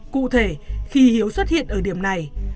cụ thể khi hiếu xuất hiện ở điểm này